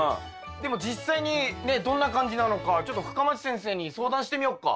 でも実際にねどんな感じなのかちょっと深町先生に相談してみよっか。